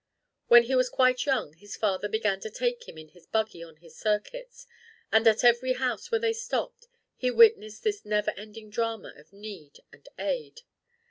When he was quite young his father began to take him in his buggy on his circuits; and at every house where they stopped, he witnessed this never ending drama of need and aid.